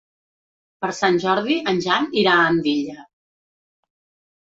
Per Sant Jordi en Jan irà a Andilla.